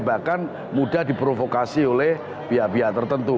bahkan mudah diprovokasi oleh pihak pihak tertentu